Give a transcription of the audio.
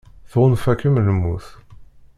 Tɣunfa-kem lmut.